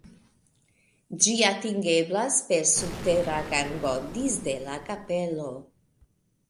Ĝi atingeblas per subtera gango disde la kapelo.